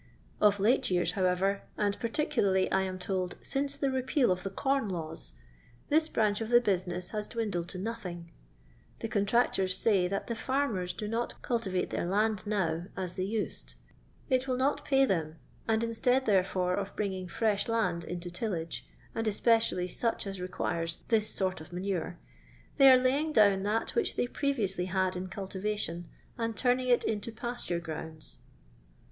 Of ktc years, however — and partMokiiy, I am told, repeal of the eomrlawi — this braneh of tne basi> nets has dwindled to nothing; The contnctors ny that the fisrmers do not eiUtivate their land now aa they used ; it will not pay them, and instead, therefore, of biinging firesb land into tillage, and especially such aa requires this sort of manure, they are laying down that which they previously had in cultivation, and turning it into pasture grounds.